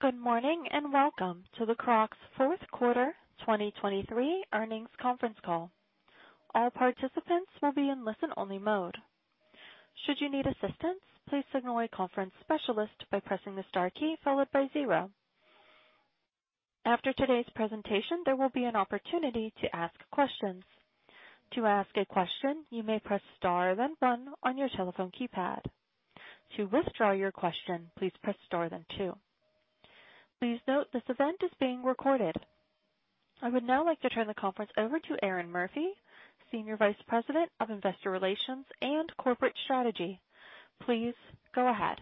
Good morning, and welcome to the Crocs fourth quarter 2023 Earnings Conference Call. All participants will be in listen-only mode. Should you need assistance, please signal a conference specialist by pressing the star key followed by zero. After today's presentation, there will be an opportunity to ask questions. To ask a question, you may press star, then one on your telephone keypad. To withdraw your question, please press star, then two. Please note, this event is being recorded. I would now like to turn the conference over to Erinn Murphy, Senior Vice President, Investor Relations and Corporate Strategy. Please go ahead.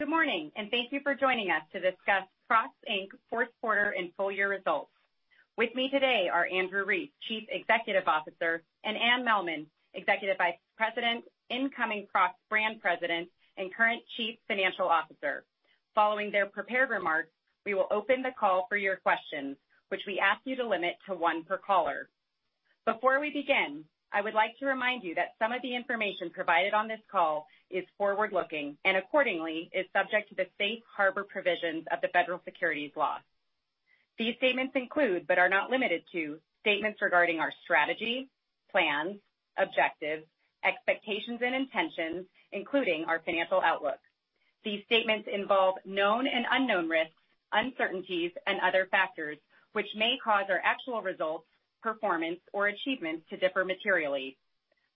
Good morning, and thank you for joining us to discuss Crocs, Inc. fourth quarter and full year results. With me today are Andrew Rees, Chief Executive Officer, and Anne Mehlman, Executive Vice President, incoming Crocs Brand President, and current Chief Financial Officer. Following their prepared remarks, we will open the call for your questions, which we ask you to limit to one per caller. Before we begin, I would like to remind you that some of the information provided on this call is forward-looking and accordingly, is subject to the safe harbor provisions of the Federal Securities laws. These statements include, but are not limited to, statements regarding our strategy, plans, objectives, expectations, and intentions, including our financial outlook. These statements involve known and unknown risks, uncertainties, and other factors, which may cause our actual results, performance, or achievements to differ materially.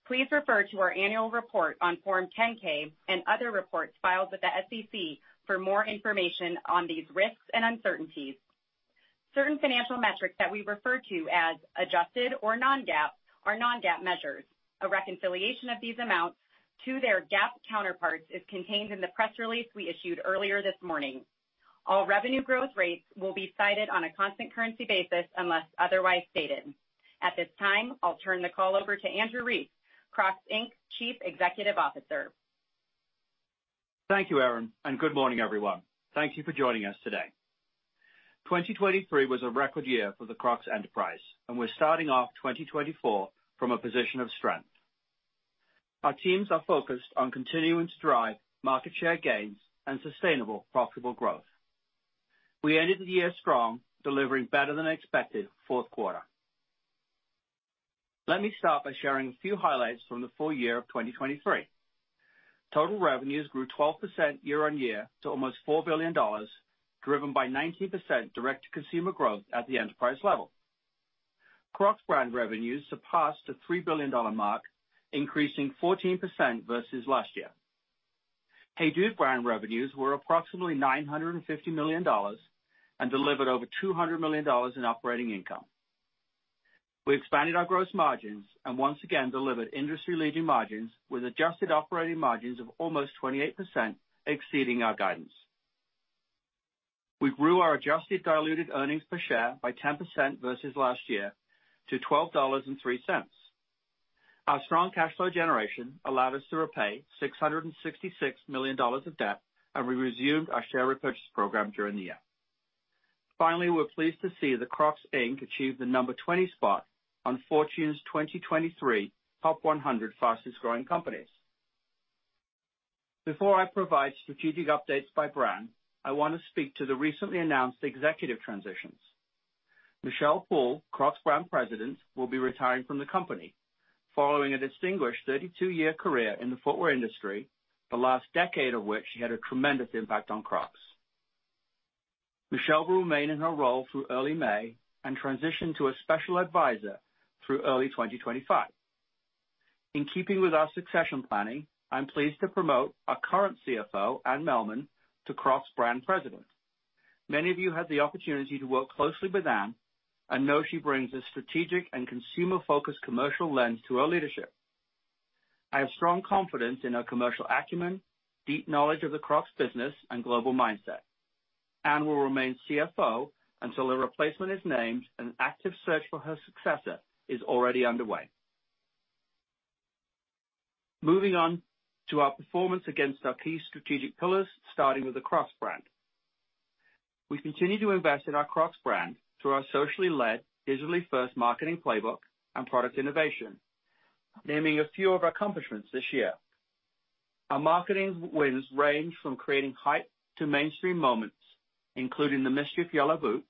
Please refer to our annual report on Form 10-K and other reports filed with the SEC for more information on these risks and uncertainties. Certain financial metrics that we refer to as adjusted or non-GAAP are non-GAAP measures. A reconciliation of these amounts to their GAAP counterparts is contained in the press release we issued earlier this morning. All revenue growth rates will be cited on a constant currency basis, unless otherwise stated. At this time, I'll turn the call over to Andrew Rees, Crocs, Inc. Chief Executive Officer. Thank you, Erinn, and good morning, everyone. Thank you for joining us today. 2023 was a record year for the Crocs enterprise, and we're starting off 2024 from a position of strength. Our teams are focused on continuing to drive market share gains and sustainable, profitable growth. We ended the year strong, delivering better-than-expected fourth quarter. Let me start by sharing a few highlights from the full year of 2023. Total revenues grew 12% year-over-year to almost $4 billion, driven by 19% direct-to-consumer growth at the enterprise level. Crocs brand revenues surpassed the $3 billion mark, increasing 14% versus last year. HEYDUDE brand revenues were approximately $950 million and delivered over $200 million in operating income. We expanded our gross margins and once again delivered industry-leading margins with adjusted operating margins of almost 28%, exceeding our guidance. We grew our adjusted diluted earnings per share by 10% versus last year to $12.03. Our strong cash flow generation allowed us to repay $666 million of debt, and we resumed our share repurchase program during the year. Finally, we're pleased to see that Crocs, Inc. achieved the number 20 spot on Fortune's 2023 top 100 fastest-growing companies. Before I provide strategic updates by brand, I want to speak to the recently announced executive transitions. Michelle Poole, Crocs Brand President, will be retiring from the company following a distinguished 32-year career in the footwear industry, the last decade of which she had a tremendous impact on Crocs. Michelle will remain in her role through early May and transition to a special advisor through early 2025. In keeping with our succession planning, I'm pleased to promote our current CFO, Anne Mehlman, to Crocs Brand President. Many of you had the opportunity to work closely with Anne and know she brings a strategic and consumer-focused commercial lens to her leadership. I have strong confidence in her commercial acumen, deep knowledge of the Crocs business, and global mindset. Anne will remain CFO until a replacement is named, and an active search for her successor is already underway. Moving on to our performance against our key strategic pillars, starting with the Crocs brand. We continue to invest in our Crocs brand through our socially led, digitally first marketing playbook and product innovation. Naming a few of our accomplishments this year. Our marketing wins range from creating hype to mainstream moments, including the MSCHF Yellow Boot,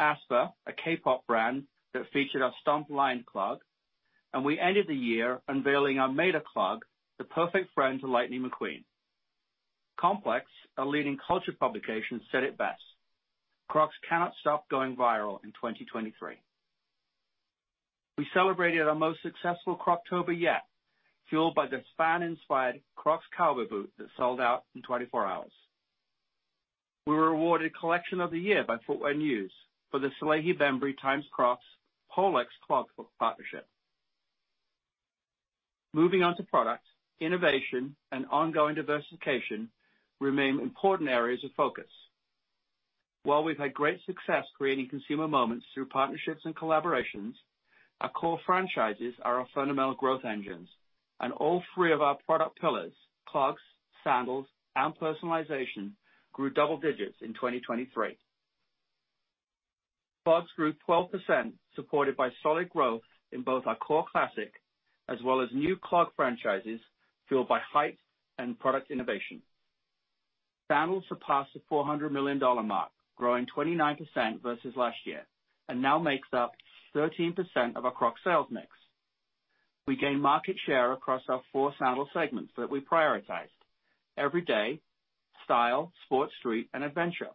aespa, a K-pop brand that featured our Stomp Lined Clog, and we ended the year unveiling our Mater Clog, the perfect friend to Lightning McQueen. Complex, a leading culture publication, said it best: "Crocs cannot stop going viral in 2023." We celebrated our most successful Croctober yet, fueled by this fan-inspired Crocs cowboy boot that sold out in 24 hours. We were awarded Collection of the Year by Footwear News for the Salehe Bembury x Crocs Pollex Clog partnership. Moving on to product. Innovation and ongoing diversification remain important areas of focus. While we've had great success creating consumer moments through partnerships and collaborations, our core franchises are our fundamental growth engines, and all three of our product pillars, clogs, sandals, and personalization, grew double digits in 2023.... Clogs grew 12%, supported by solid growth in both our core classic as well as new clog franchises, fueled by height and product innovation. Sandals surpassed the $400 million mark, growing 29% versus last year, and now makes up 13% of our Crocs sales mix. We gained market share across our four sandal segments that we prioritized: everyday, style, sports street, and adventure.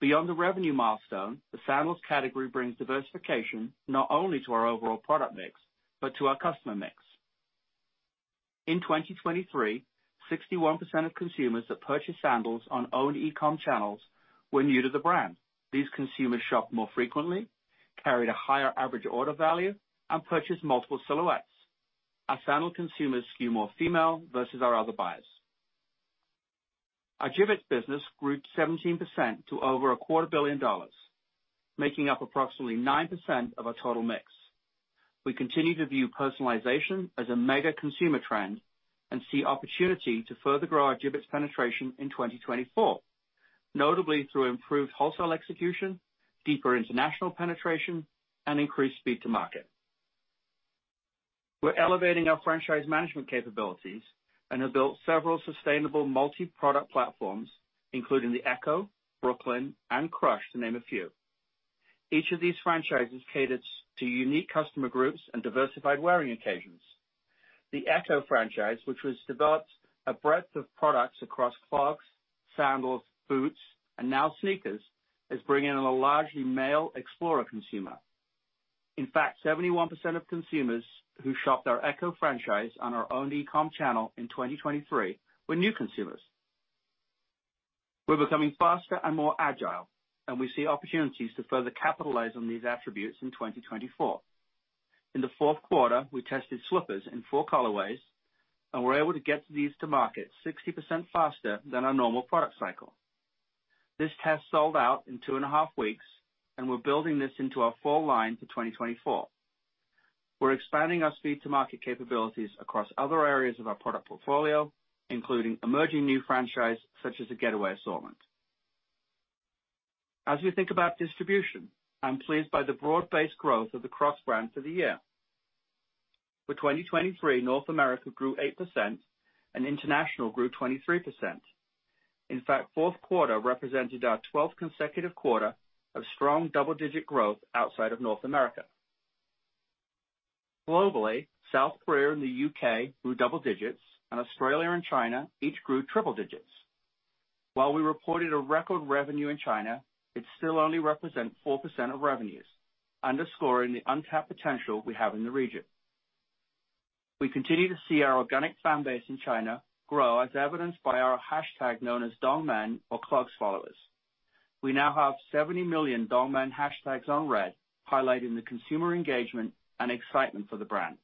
Beyond the revenue milestone, the sandals category brings diversification not only to our overall product mix, but to our customer mix. In 2023, 61% of consumers that purchased sandals on own e-com channels were new to the brand. These consumers shopped more frequently, carried a higher average order value, and purchased multiple silhouettes. Our sandal consumers skew more female versus our other buyers. Our Jibbitz business grew 17% to over $250 million, making up approximately 9% of our total mix. We continue to view personalization as a mega consumer trend and see opportunity to further grow our Jibbitz penetration in 2024, notably through improved wholesale execution, deeper international penetration, and increased speed to market. We're elevating our franchise management capabilities and have built several sustainable multi-product platforms, including the Echo, Brooklyn, and Crush, to name a few. Each of these franchises caters to unique customer groups and diversified wearing occasions. The Echo franchise, which was developed a breadth of products across clogs, sandals, boots, and now sneakers, is bringing in a largely male explorer consumer. In fact, 71% of consumers who shopped our Echo franchise on our own e-com channel in 2023 were new consumers. We're becoming faster and more agile, and we see opportunities to further capitalize on these attributes in 2024. In the fourth quarter, we tested slippers in four colorways, and we're able to get these to market 60% faster than our normal product cycle. This test sold out in 2.5 weeks, and we're building this into our full line for 2024. We're expanding our speed-to-market capabilities across other areas of our product portfolio, including emerging new franchise such as the Getaway assortment. As we think about distribution, I'm pleased by the broad-based growth of the Crocs brand for the year. For 2023, North America grew 8% and international grew 23%. In fact, fourth quarter represented our 12th consecutive quarter of strong double-digit growth outside of North America. Globally, South Korea and the UK grew double digits, and Australia and China each grew triple digits. While we reported a record revenue in China, it still only represents 4% of revenues, underscoring the untapped potential we have in the region. We continue to see our organic fan base in China grow, as evidenced by our hashtag known as Dongmen or Clogs Followers. We now have 70 million Dongmen hashtags on Red, highlighting the consumer engagement and excitement for the brand.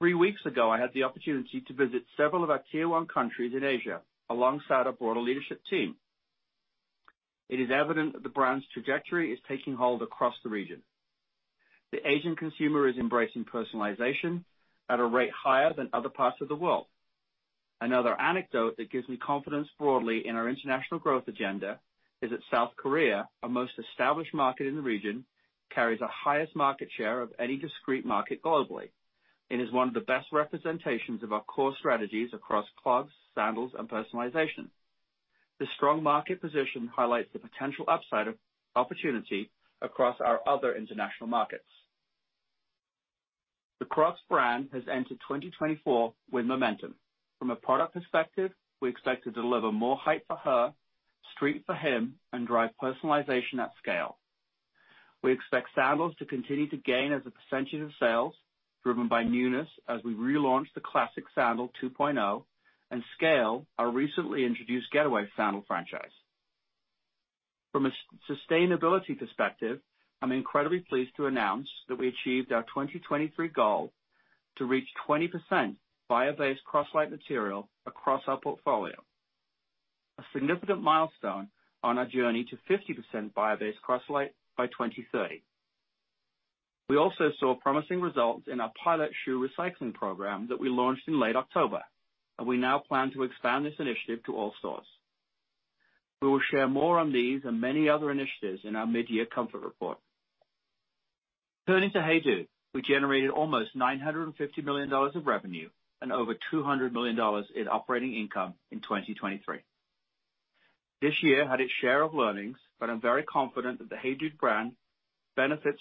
Three weeks ago, I had the opportunity to visit several of our tier one countries in Asia, alongside our broader leadership team. It is evident that the brand's trajectory is taking hold across the region. The Asian consumer is embracing personalization at a rate higher than other parts of the world. Another anecdote that gives me confidence broadly in our international growth agenda is that South Korea, our most established market in the region, carries the highest market share of any discrete market globally and is one of the best representations of our core strategies across clogs, sandals, and personalization. This strong market position highlights the potential upside of opportunity across our other international markets. The Crocs brand has entered 2024 with momentum. From a product perspective, we expect to deliver more height for her, street for him, and drive personalization at scale. We expect sandals to continue to gain as a percentage of sales, driven by newness as we relaunch the Classic Sandal 2.0, and scale our recently introduced Getaway sandal franchise. From a sustainability perspective, I'm incredibly pleased to announce that we achieved our 2023 goal to reach 20% bio-based Croslite material across our portfolio, a significant milestone on our journey to 50% bio-based Croslite by 2030. We also saw promising results in our pilot shoe recycling program that we launched in late October, and we now plan to expand this initiative to all stores. We will share more on these and many other initiatives in our mid-year comfort report. Turning to HEYDUDE, we generated almost $950 million of revenue and over $200 million in operating income in 2023. This year had its share of learnings, but I'm very confident that the HEYDUDE brand benefits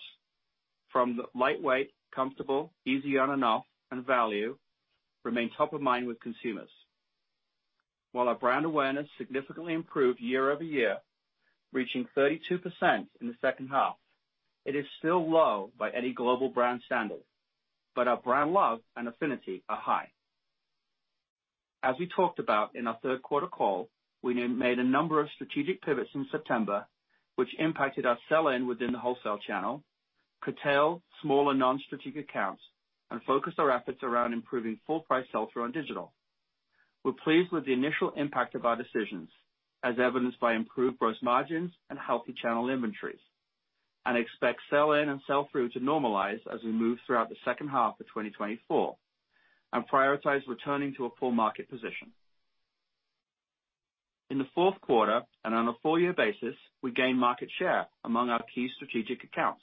from the lightweight, comfortable, easy on and off, and value remain top of mind with consumers. While our brand awareness significantly improved year-over-year, reaching 32% in the second half, it is still low by any global brand standard, but our brand love and affinity are high. As we talked about in our third quarter call, we made a number of strategic pivots in September, which impacted our sell-in within the wholesale channel, curtail smaller non-strategic accounts, and focused our efforts around improving full price sell-through on digital. We're pleased with the initial impact of our decisions, as evidenced by improved gross margins and healthy channel inventories, and expect sell-in and sell-through to normalize as we move throughout the second half of 2024 and prioritize returning to a full market position... In the fourth quarter and on a full year basis, we gained market share among our key strategic accounts,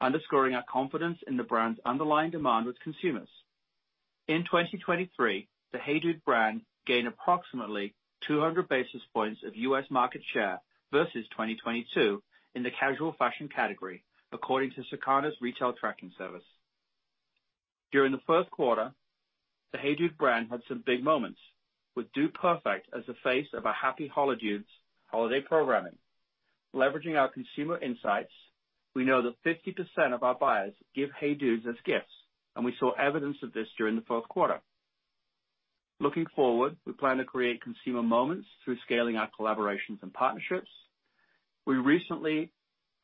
underscoring our confidence in the brand's underlying demand with consumers. In 2023, the HEYDUDE brand gained approximately 200 basis points of U.S. market share versus 2022 in the casual fashion category, according to Circana's retail tracking service. During the first quarter, the HEYDUDE brand had some big moments, with Dude Perfect as the face of our Happy Holi-Dudes holiday programming. Leveraging our consumer insights, we know that 50% of our buyers give HEYDUDEs as gifts, and we saw evidence of this during the fourth quarter. Looking forward, we plan to create consumer moments through scaling our collaborations and partnerships. We recently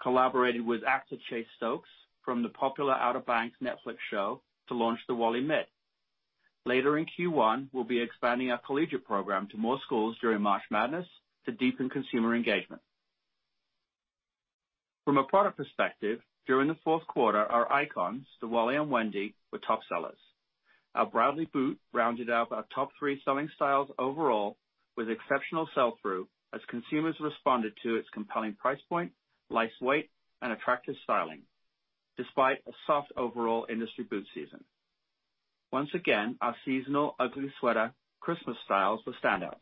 collaborated with actor Chase Stokes from the popular Outer Banks Netflix show to launch the Wally Mid. Later in Q1, we'll be expanding our collegiate program to more schools during March Madness to deepen consumer engagement. From a product perspective, during the fourth quarter, our icons, the Wally and Wendy, were top sellers. Our Bradley Boot rounded out our top three selling styles overall with exceptional sell-through, as consumers responded to its compelling price point, light weight, and attractive styling, despite a soft overall industry boot season. Once again, our seasonal ugly sweater Christmas styles were standouts.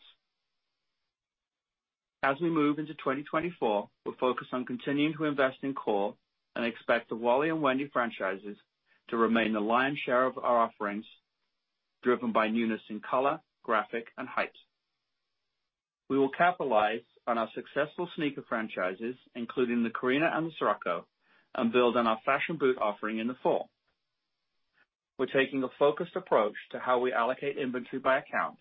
As we move into 2024, we're focused on continuing to invest in core and expect the Wally and Wendy franchises to remain the lion's share of our offerings, driven by newness in color, graphic, and height. We will capitalize on our successful sneaker franchises, including the Karina and the Sirocco, and build on our fashion boot offering in the fall. We're taking a focused approach to how we allocate inventory by account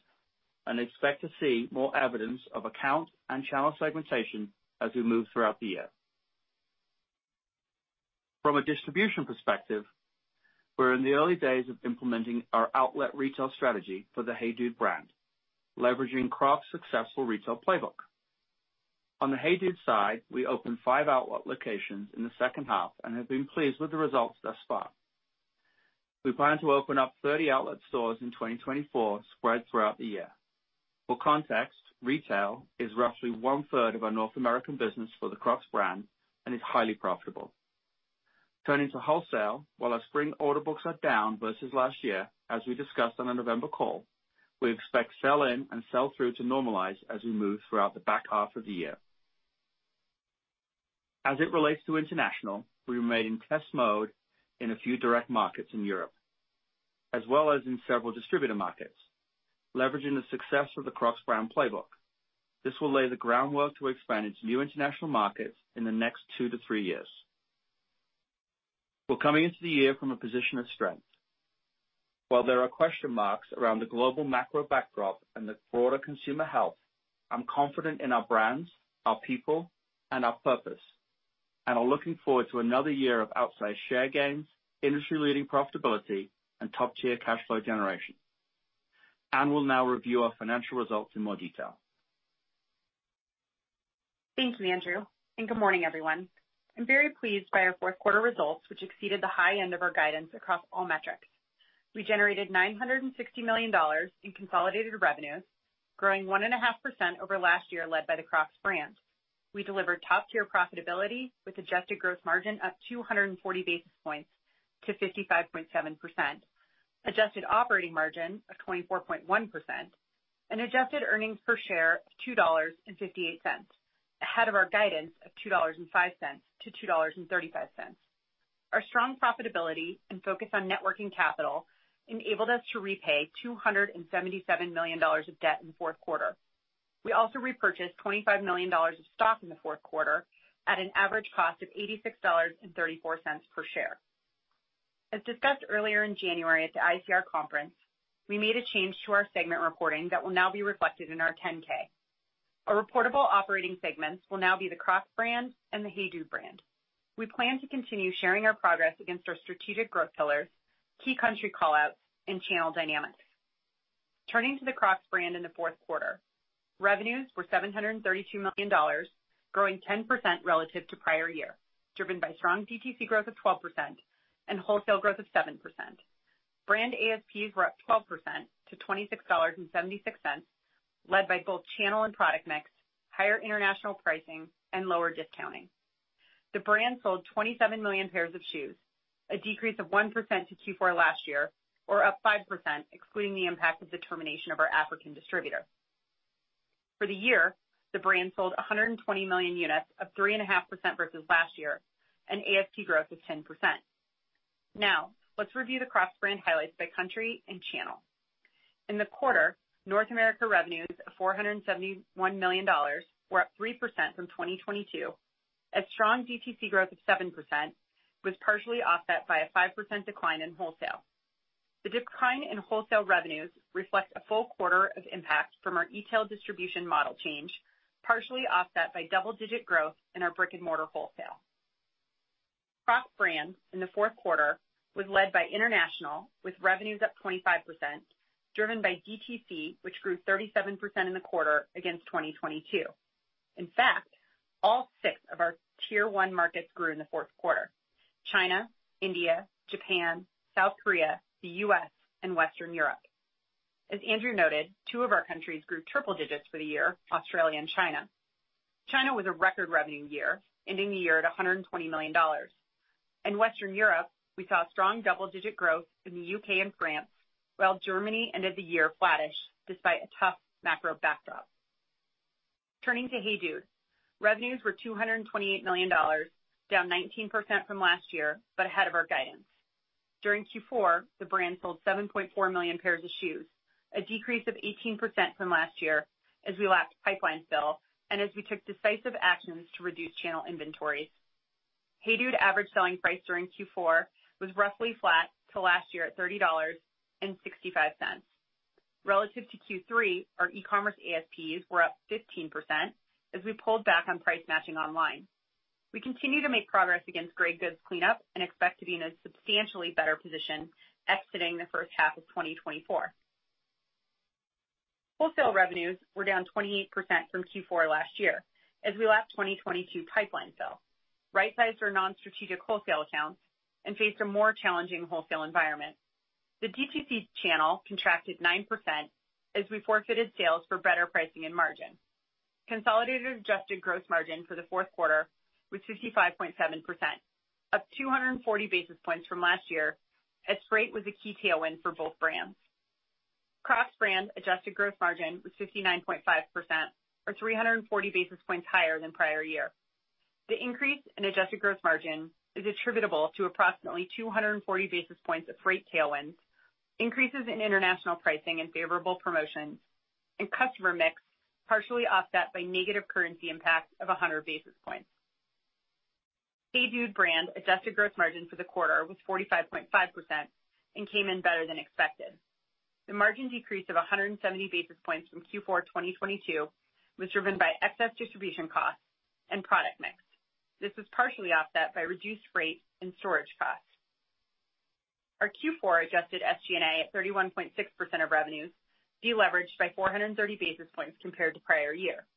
and expect to see more evidence of account and channel segmentation as we move throughout the year. From a distribution perspective, we're in the early days of implementing our outlet retail strategy for the HEYDUDE brand, leveraging Crocs' successful retail playbook. On the HEYDUDE side, we opened 5 outlet locations in the second half and have been pleased with the results thus far. We plan to open up 30 outlet stores in 2024, spread throughout the year. For context, retail is roughly one-third of our North American business for the Crocs brand and is highly profitable. Turning to wholesale, while our spring order books are down versus last year, as we discussed on the November call, we expect sell-in and sell-through to normalize as we move throughout the back half of the year. As it relates to international, we remain in test mode in a few direct markets in Europe, as well as in several distributor markets, leveraging the success of the Crocs brand playbook. This will lay the groundwork to expand into new international markets in the next two to three years. We're coming into the year from a position of strength. While there are question marks around the global macro backdrop and the broader consumer health, I'm confident in our brands, our people, and our purpose, and are looking forward to another year of outsized share gains, industry-leading profitability, and top-tier cash flow generation. Anne will now review our financial results in more detail. Thank you, Andrew, and good morning, everyone. I'm very pleased by our fourth quarter results, which exceeded the high end of our guidance across all metrics. We generated $960 million in consolidated revenues, growing 1.5% over last year, led by the Crocs Brand. We delivered top-tier profitability with adjusted gross margin up 240 basis points to 55.7%, adjusted operating margin of 24.1%, and adjusted earnings per share of $2.58, ahead of our guidance of $2.05-$2.35. Our strong profitability and focus on net working capital enabled us to repay $277 million of debt in the fourth quarter. We also repurchased $25 million of stock in the fourth quarter at an average cost of $86.34 per share. As discussed earlier in January at the ICR Conference, we made a change to our segment reporting that will now be reflected in our 10-K. Our reportable operating segments will now be the Crocs Brand and the HEYDUDE Brand. We plan to continue sharing our progress against our strategic growth pillars, key country call-outs, and channel dynamics. Turning to the Crocs Brand in the fourth quarter, revenues were $732 million, growing 10% relative to prior year, driven by strong DTC growth of 12% and wholesale growth of 7%. Brand ASPs were up 12% to $26.76, led by both channel and product mix, higher international pricing, and lower discounting. The brand sold 27 million pairs of shoes, a decrease of 1% to Q4 last year, or up 5%, excluding the impact of the termination of our African distributor. For the year, the brand sold 120 million units of 3.5% versus last year, and ASP growth of 10%. Now, let's review the Crocs Brand highlights by country and channel. In the quarter, North America revenues of $471 million were up 3% from 2022, as strong DTC growth of 7% was partially offset by a 5% decline in wholesale. The decline in wholesale revenues reflects a full quarter of impact from our e-tail distribution model change, partially offset by double-digit growth in our brick-and-mortar wholesale. Crocs brand in the fourth quarter was led by international, with revenues up 25%, driven by DTC, which grew 37% in the quarter against 2022. In fact, all six of our Tier One markets grew in the fourth quarter: China, India, Japan, South Korea, the U.S., and Western Europe. As Andrew noted, two of our countries grew triple digits for the year, Australia and China. China was a record revenue year, ending the year at $120 million. In Western Europe, we saw strong double-digit growth in the UK and France, while Germany ended the year flattish despite a tough macro backdrop. Turning to HEYDUDE, revenues were $228 million, down 19% from last year, but ahead of our guidance. During Q4, the brand sold 7.4 million pairs of shoes, a decrease of 18% from last year as we lapped pipeline fill and as we took decisive actions to reduce channel inventories. HEYDUDE average selling price during Q4 was roughly flat to last year at $30.65. Relative to Q3, our e-commerce ASPs were up 15% as we pulled back on price matching online. We continue to make progress against gray goods cleanup and expect to be in a substantially better position exiting the first half of 2024. Wholesale revenues were down 28% from Q4 last year as we lapped 2022 pipeline fill, rightsized our non-strategic wholesale accounts, and faced a more challenging wholesale environment. The DTC channel contracted 9% as we forfeited sales for better pricing and margin. Consolidated adjusted gross margin for the fourth quarter was 55.7%, up 240 basis points from last year, as freight was a key tailwind for both brands. Crocs brand adjusted gross margin was 59.5% or 340 basis points higher than prior year. The increase in adjusted gross margin is attributable to approximately 240 basis points of freight tailwinds, increases in international pricing and favorable promotions, and customer mix, partially offset by negative currency impacts of 100 basis points. HEYDUDE brand adjusted gross margin for the quarter was 45.5% and came in better than expected. The margin decrease of 170 basis points from Q4 2022 was driven by excess distribution costs and product mix. This was partially offset by reduced freight and storage costs. Our Q4 adjusted SG&A at 31.6% of revenues, deleveraged by 430 basis points compared to prior year.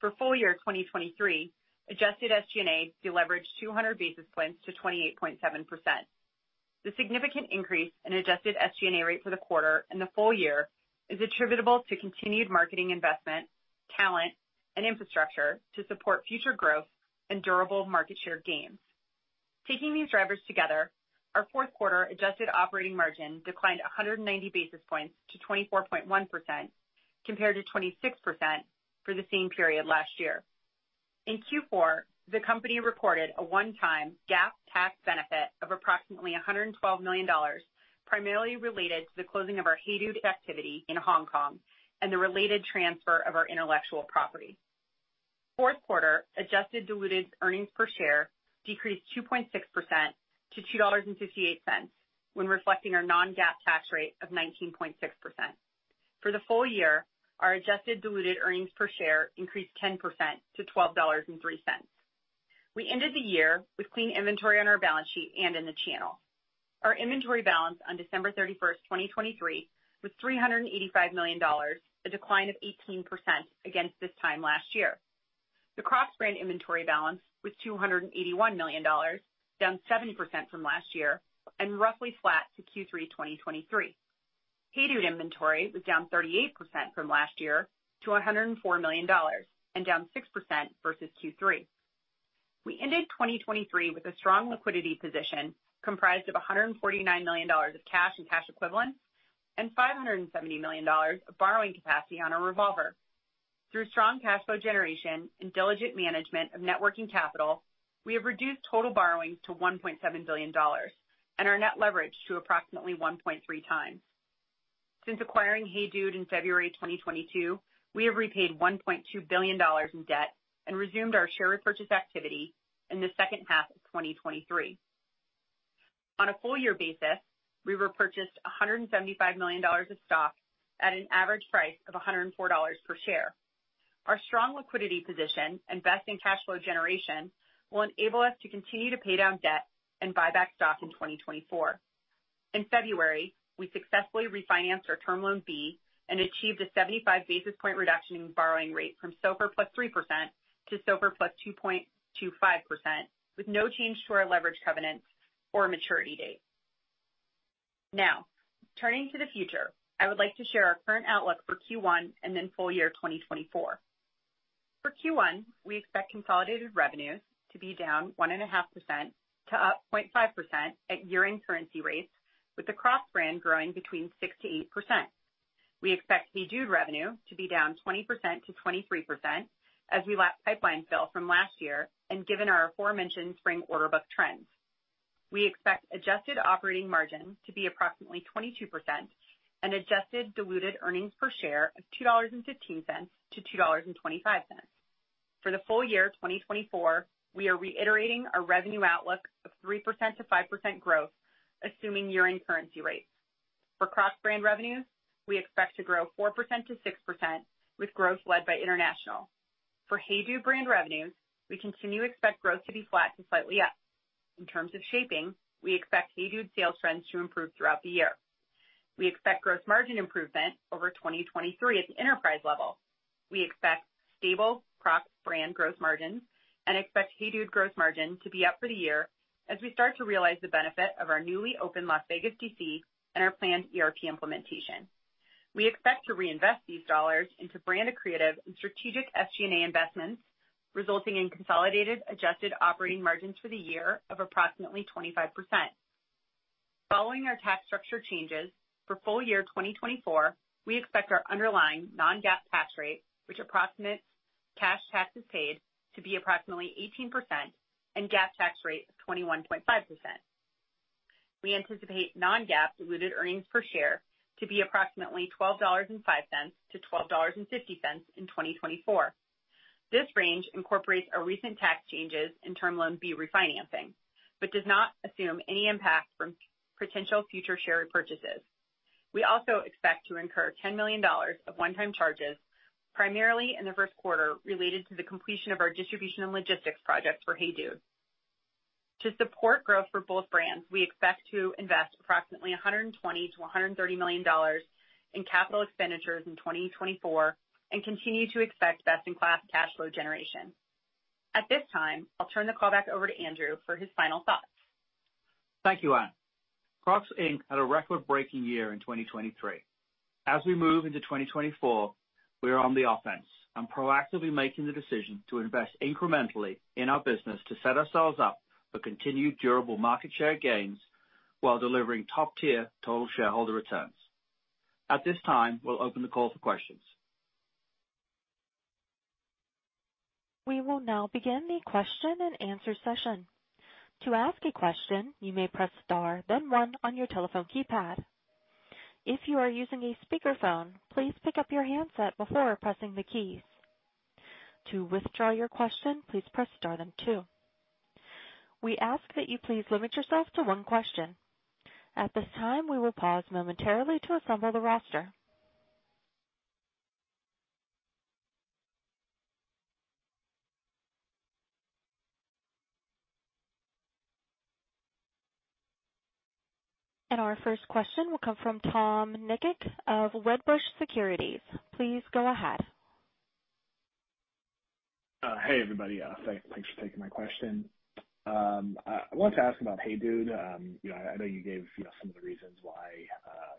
For full year 2023, adjusted SG&A deleveraged 200 basis points to 28.7%. The significant increase in adjusted SG&A rate for the quarter and the full year is attributable to continued marketing investment, talent, and infrastructure to support future growth and durable market share gains. Taking these drivers together, our fourth quarter adjusted operating margin declined 190 basis points to 24.1% compared to 26% for the same period last year. In Q4, the company reported a one-time GAAP tax benefit of approximately $112 million, primarily related to the closing of our HEYDUDE activity in Hong Kong and the related transfer of our intellectual property. Fourth quarter adjusted diluted earnings per share decreased 2.6% to $2.58 when reflecting our non-GAAP tax rate of 19.6%. For the full year, our adjusted diluted earnings per share increased 10% to $12.03. We ended the year with clean inventory on our balance sheet and in the channel. Our inventory balance on December 31, 2023, was $385 million, a decline of 18% against this time last year. The Crocs brand inventory balance was $281 million, down 70% from last year, and roughly flat to Q3 2023. HEYDUDE inventory was down 38% from last year to $104 million and down 6% versus Q3. We ended 2023 with a strong liquidity position, comprised of $149 million of cash and cash equivalents and $570 million of borrowing capacity on our revolver. Through strong cash flow generation and diligent management of net working capital, we have reduced total borrowings to $1.7 billion and our net leverage to approximately 1.3 times. Since acquiring HEYDUDE in February 2022, we have repaid $1.2 billion in debt and resumed our share repurchase activity in the second half of 2023. On a full year basis, we repurchased $175 million of stock at an average price of $104 per share. Our strong liquidity position and best in cash flow generation will enable us to continue to pay down debt and buy back stock in 2024. In February, we successfully refinanced our Term Loan B and achieved a 75 basis point reduction in borrowing rate from SOFR + 3% to SOFR + 2.25%, with no change to our leverage covenants or maturity date. Now, turning to the future, I would like to share our current outlook for Q1 and then full year 2024. For Q1, we expect consolidated revenues to be down 1.5% to up 0.5% at year-end currency rates, with the Crocs brand growing between 6%-8%. We expect HEYDUDE revenue to be down 20%-23% as we lap pipeline fill from last year and given our aforementioned spring order book trends. We expect adjusted operating margin to be approximately 22% and adjusted diluted earnings per share of $2.15-$2.25. For the full year 2024, we are reiterating our revenue outlook of 3%-5% growth, assuming year-end currency rates. For Crocs brand revenues, we expect to grow 4%-6%, with growth led by international. For HEYDUDE brand revenues, we continue to expect growth to be flat to slightly up. In terms of shaping, we expect HEYDUDE sales trends to improve throughout the year. We expect gross margin improvement over 2023 at the enterprise level. We expect stable Crocs brand gross margins and expect HEYDUDE gross margin to be up for the year as we start to realize the benefit of our newly opened Las Vegas DC and our planned ERP implementation. We expect to reinvest these dollars into brand creative and strategic SG&A investments, resulting in consolidated adjusted operating margins for the year of approximately 25%. Following our tax structure changes for full year 2024, we expect our underlying non-GAAP tax rate, which approximates cash taxes paid, to be approximately 18% and GAAP tax rate of 21.5%. We anticipate non-GAAP diluted earnings per share to be approximately $12.05-$12.50 in 2024. This range incorporates our recent tax changes and Term Loan B refinancing, but does not assume any impact from potential future share repurchases. We also expect to incur $10 million of one-time charges, primarily in the first quarter, related to the completion of our distribution and logistics projects for HEYDUDE. To support growth for both brands, we expect to invest approximately $120 million-$130 million in capital expenditures in 2024 and continue to expect best-in-class cash flow generation. At this time, I'll turn the call back over to Andrew for his final thoughts. Thank you, Anne. Crocs, Inc. had a record-breaking year in 2023. As we move into 2024, we are on the offense and proactively making the decision to invest incrementally in our business to set ourselves up for continued durable market share gains while delivering top-tier total shareholder returns. At this time, we'll open the call for questions. We will now begin the question-and-answer session. To ask a question, you may press star then one on your telephone keypad. If you are using a speakerphone, please pick up your handset before pressing the keys. To withdraw your question, please press star then two. We ask that you please limit yourself to one question. At this time, we will pause momentarily to assemble the roster. Our first question will come from Tom Nikic of Wedbush Securities. Please go ahead. Hey, everybody. Thanks for taking my question. I wanted to ask about HEYDUDE. You know, I know you gave, you know, some of the reasons why,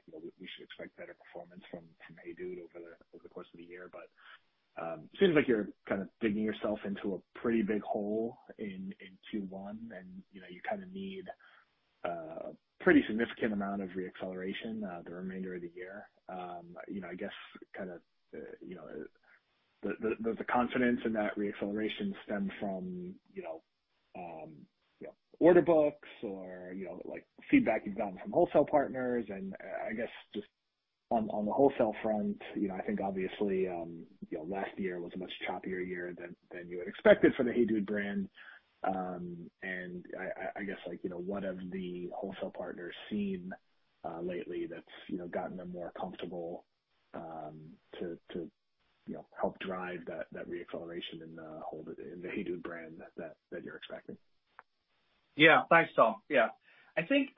you know, we should expect better performance from HEYDUDE over the course of the year. But, seems like you're kind of digging yourself into a pretty big hole in Q1, and, you know, you kind of need a pretty significant amount of re-acceleration the remainder of the year. You know, I guess kind of, you know, the confidence in that re-acceleration stem from, you know, order books or, you know, like, feedback you've gotten from wholesale partners. I guess just on the wholesale front, you know, I think obviously, you know, last year was a much choppier year than you had expected for the HEYDUDE brand. And I guess, like, you know, what have the wholesale partners seen lately that's, you know, gotten them more comfortable to, you know, help drive that re-acceleration in the HEYDUDE brand that you're expecting? Yeah. Thanks, Tom. Yeah. I think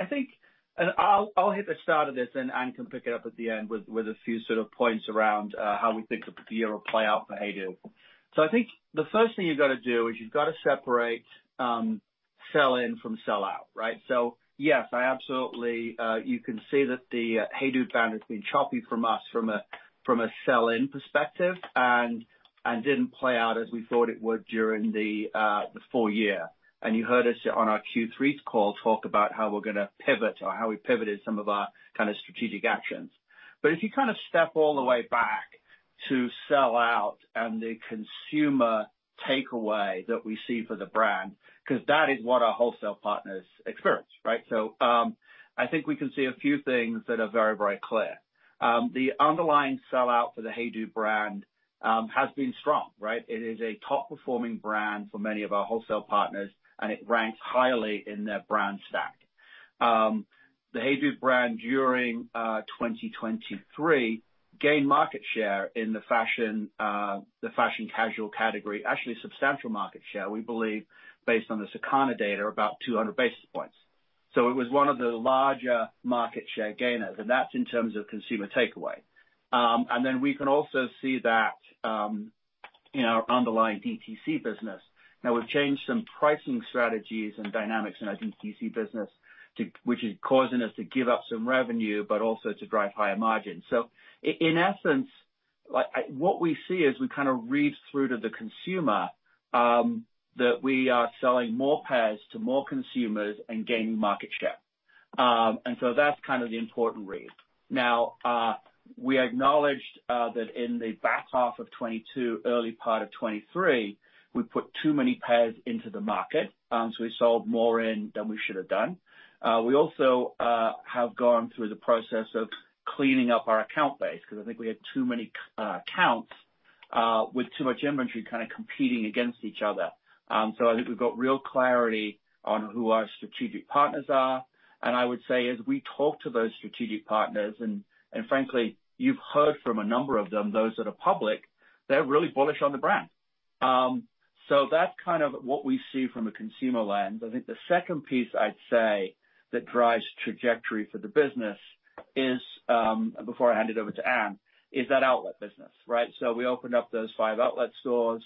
and I'll hit the start of this, and Anne can pick it up at the end with a few sort of points around how we think the year will play out for HEYDUDE. So I think the first thing you've got to do is you've got to separate sell-in from sell-out, right? So, yes, I absolutely, you can see that the HEYDUDE brand has been choppy from us from a sell-in perspective, and didn't play out as we thought it would during the full year. And you heard us on our Q3 call, talk about how we're gonna pivot or how we pivoted some of our kind of strategic actions. But if you kind of step all the way back to sell-out and the consumer takeaway that we see for the brand, because that is what our wholesale partners experience, right? So, I think we can see a few things that are very, very clear. The underlying sell-out for the HEYDUDE brand has been strong, right? It is a top-performing brand for many of our wholesale partners, and it ranks highly in their brand stack. The HEYDUDE brand during 2023 gained market share in the fashion casual category. Actually, substantial market share, we believe, based on the Circana data, about 200 basis points. So it was one of the larger market share gainers, and that's in terms of consumer takeaway. And then we can also see that in our underlying DTC business. Now, we've changed some pricing strategies and dynamics in our DTC business, which is causing us to give up some revenue but also to drive higher margins. So in essence, like, what we see as we kind of read through to the consumer, that we are selling more pairs to more consumers and gaining market share. And so that's kind of the important read. Now, we acknowledged that in the back half of 2022, early part of 2023, we put too many pairs into the market, so we sold more in than we should have done. We also have gone through the process of cleaning up our account base because I think we had too many accounts with too much inventory kind of competing against each other. So I think we've got real clarity on who our strategic partners are. And I would say as we talk to those strategic partners, and, and frankly, you've heard from a number of them, those that are public, they're really bullish on the brand... So that's kind of what we see from a consumer lens. I think the second piece I'd say that drives trajectory for the business is, before I hand it over to Anne, is that outlet business, right? So we opened up those five outlet stores,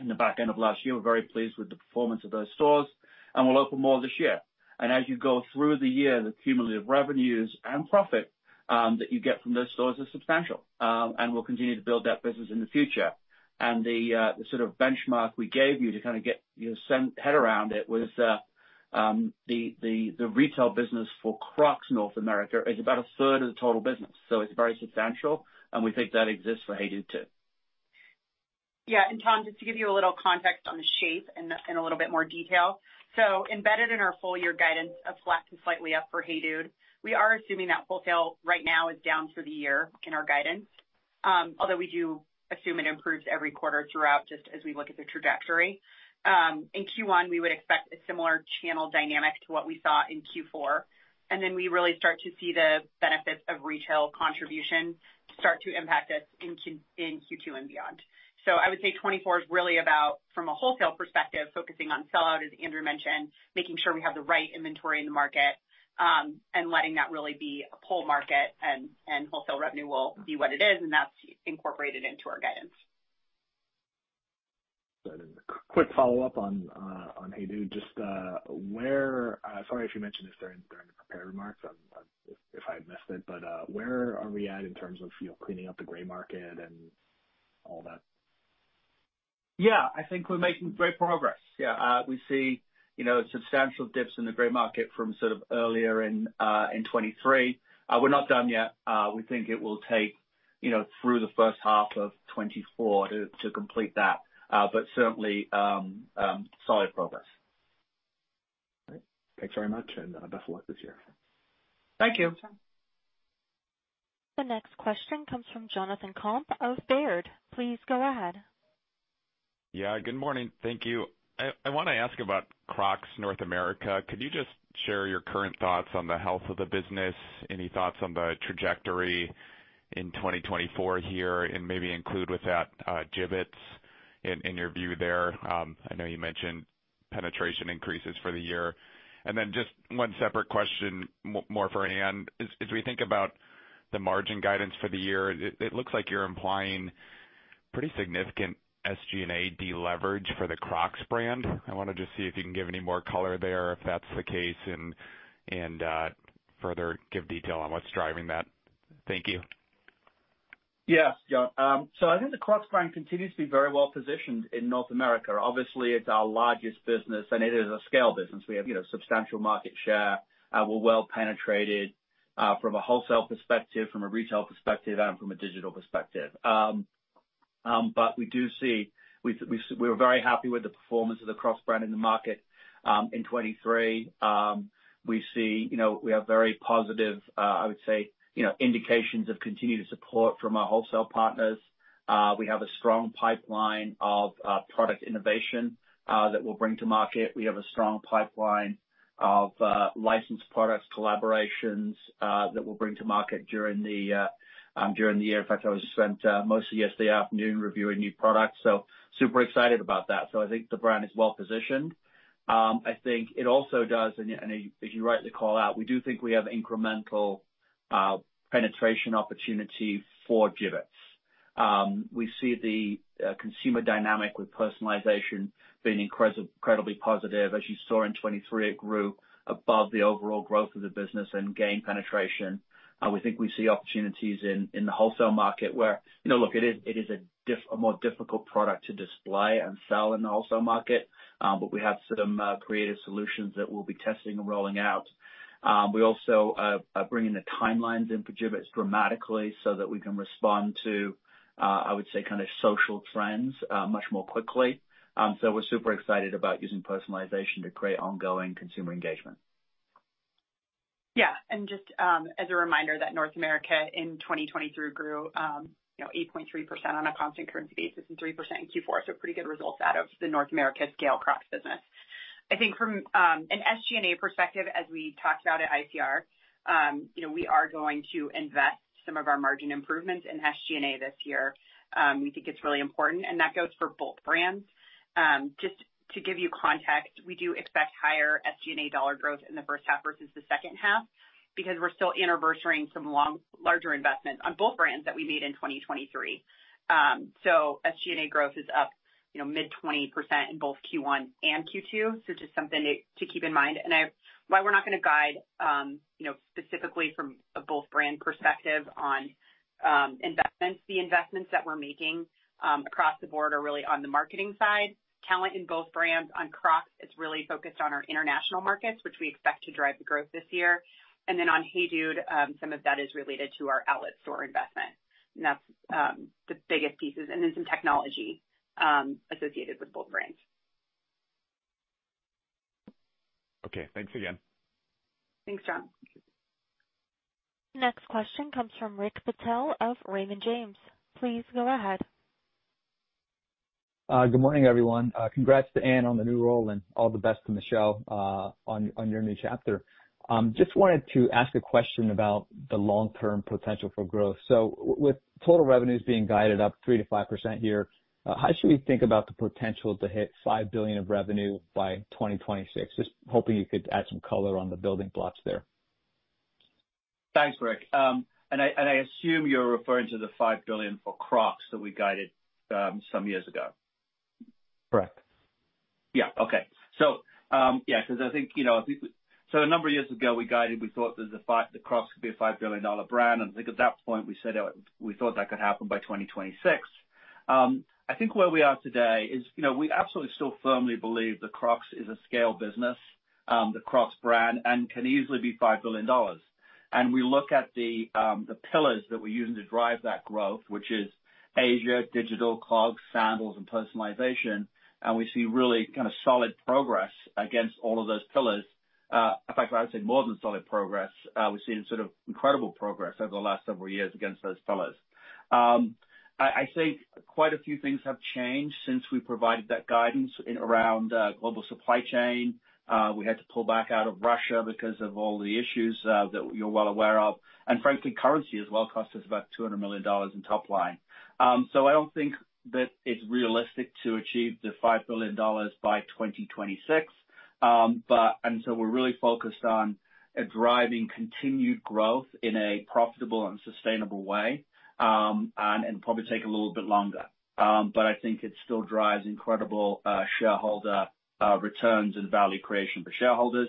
in the back end of last year. We're very pleased with the performance of those stores, and we'll open more this year. And as you go through the year, the cumulative revenues and profit, that you get from those stores is substantial. And we'll continue to build that business in the future. And the sort of benchmark we gave you to kind of get your head around it was the retail business for Crocs North America is about a third of the total business, so it's very substantial and we think that exists for HEYDUDE too. Yeah, and Tom, just to give you a little context on the shape and a little bit more detail. So embedded in our full year guidance of flat to slightly up for HEYDUDE, we are assuming that wholesale right now is down for the year in our guidance. Although we do assume it improves every quarter throughout, just as we look at the trajectory. In Q1, we would expect a similar channel dynamic to what we saw in Q4, and then we really start to see the benefits of retail contribution start to impact us in Q2 and beyond. I would say 2024 is really about, from a wholesale perspective, focusing on sellout, as Andrew mentioned, making sure we have the right inventory in the market, and letting that really be a pull market and wholesale revenue will be what it is, and that's incorporated into our guidance. Quick follow-up on HEYDUDE, just where... sorry if you mentioned this during the prepared remarks, if I missed it, but where are we at in terms of, you know, cleaning up the gray market and all that? Yeah, I think we're making great progress. Yeah. We see, you know, substantial dips in the gray market from sort of earlier in 2023. We're not done yet. We think it will take, you know, through the first half of 2024 to complete that. But certainly solid progress. Great. Thanks very much, and best of luck this year. Thank you. The next question comes from Jonathan Komp of Baird. Please go ahead. Yeah, good morning. Thank you. I want to ask about Crocs North America. Could you just share your current thoughts on the health of the business? Any thoughts on the trajectory in 2024 here, and maybe include with that, Jibbitz in your view there? I know you mentioned penetration increases for the year. And then just one separate question, more for Anne. As we think about the margin guidance for the year, it looks like you're implying pretty significant SG&A deleverage for the Crocs brand. I wanted to see if you can give any more color there, if that's the case, and further give detail on what's driving that. Thank you. Yes, John. So I think the Crocs brand continues to be very well positioned in North America. Obviously, it's our largest business, and it is a scale business. We have, you know, substantial market share. We're well penetrated from a wholesale perspective, from a retail perspective, and from a digital perspective. We do see... We were very happy with the performance of the Crocs brand in the market in 2023. We see, you know, we have very positive, I would say, you know, indications of continued support from our wholesale partners. We have a strong pipeline of product innovation that we'll bring to market. We have a strong pipeline of licensed products, collaborations that we'll bring to market during the year. In fact, I spent most of yesterday afternoon reviewing new products, so super excited about that. So I think the brand is well positioned. I think it also does, and as you rightly call out, we do think we have incremental penetration opportunity for Jibbitz. We see the consumer dynamic with personalization being incredibly positive. As you saw in 2023, it grew above the overall growth of the business and gained penetration. We think we see opportunities in the wholesale market where, you know, look, it is a more difficult product to display and sell-in the wholesale market, but we have some creative solutions that we'll be testing and rolling out. We also are bringing the timelines in for Jibbitz dramatically so that we can respond to, I would say, kind of social trends, much more quickly. So we're super excited about using personalization to create ongoing consumer engagement. Yeah, and just as a reminder, that North America in 2023 grew, you know, 8.3% on a constant currency basis and 3% in Q4. So pretty good results out of the North America scale Crocs business. I think from an SG&A perspective, as we talked about at ICR, you know, we are going to invest some of our margin improvements in SG&A this year. We think it's really important, and that goes for both brands. Just to give you context, we do expect higher SG&A dollar growth in the first half versus the second half because we're still anniversarying some larger investments on both brands that we made in 2023. So SG&A growth is up, you know, mid-20% in both Q1 and Q2, so just something to keep in mind. And I... While we're not going to guide, you know, specifically from a both brand perspective on, investments, the investments that we're making, across the board are really on the marketing side. Talent in both brands. On Crocs, it's really focused on our international markets, which we expect to drive the growth this year. And then on HEYDUDE, some of that is related to our outlet store investment, and that's, the biggest pieces, and then some technology, associated with both brands. Okay. Thanks again. Thanks, John. Next question comes from Rick Patel of Raymond James. Please go ahead.... Good morning, everyone. Congrats to Anne on the new role and all the best to Michelle on your new chapter. Just wanted to ask a question about the long-term potential for growth. So with total revenues being guided up 3%-5% year, how should we think about the potential to hit $5 billion of revenue by 2026? Just hoping you could add some color on the building blocks there. Thanks, Rick. And I assume you're referring to the $5 billion for Crocs that we guided some years ago? Correct. Yeah. Okay. So, yeah, because I think, you know, I think. So a number of years ago, we guided, we thought that Crocs could be a $5 billion brand, and I think at that point, we said that we thought that could happen by 2026. I think where we are today is, you know, we absolutely still firmly believe that Crocs is a scale business, the Crocs brand, and can easily be $5 billion. And we look at the pillars that we're using to drive that growth, which is Asia, digital, clogs, sandals, and personalization, and we see really kind of solid progress against all of those pillars. In fact, I would say more than solid progress. We've seen sort of incredible progress over the last several years against those pillars. I think quite a few things have changed since we provided that guidance in our global supply chain. We had to pull back out of Russia because of all the issues that you're well aware of. And frankly, currency as well cost us about $200 million in top line. So I don't think that it's realistic to achieve the $5 billion by 2026. But we're really focused on driving continued growth in a profitable and sustainable way, and it'll probably take a little bit longer. But I think it still drives incredible shareholder returns and value creation for shareholders.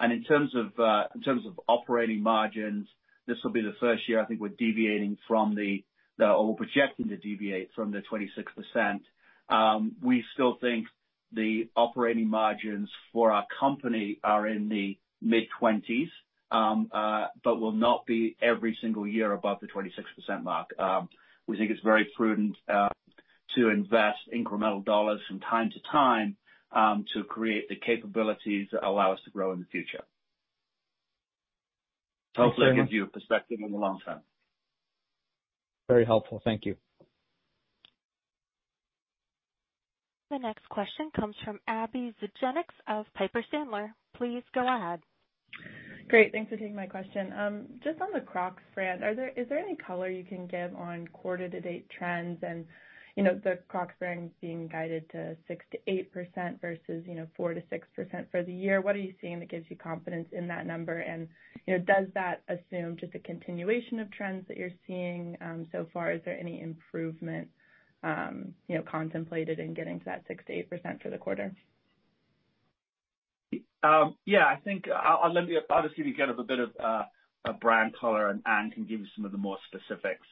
And in terms of operating margins, this will be the first year I think we're deviating from the or projecting to deviate from the 26%. We still think the operating margins for our company are in the mid-20s, but will not be every single year above the 26% mark. We think it's very prudent to invest incremental dollars from time to time to create the capabilities that allow us to grow in the future. Thanks so much. Hopefully, it gives you a perspective in the long term. Very helpful. Thank you. The next question comes from Abbie Zvejnieks of Piper Sandler. Please go ahead. Great, thanks for taking my question. Just on the Crocs brand, is there any color you can give on quarter to date trends and, you know, the Crocs brand being guided to 6%-8% versus, you know, 4%-6% for the year? What are you seeing that gives you confidence in that number? And, you know, does that assume just a continuation of trends that you're seeing, so far? Is there any improvement, you know, contemplated in getting to that 6%-8% for the quarter? Yeah, I think I'll let you obviously give a bit of a brand color, and Anne can give you some of the more specifics.